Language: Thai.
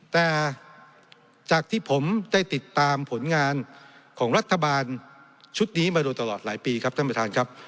แต่จากที่ผมได้ติดตามผลงานของรัฐบาลชุดนี้มาโดยตลอดหลายปีครับท่านประธานครับ